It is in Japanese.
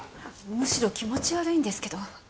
むしろ気持ち悪いんですけど。